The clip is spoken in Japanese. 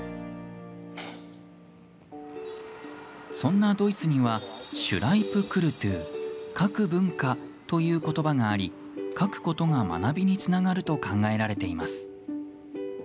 そんなドイツにはシュライプクルトゥ書く文化ということばがあり書くことが学びにつながると考えられています。